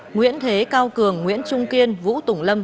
nguyễn thế cao cường nguyễn trung kiên vũ tùng lâm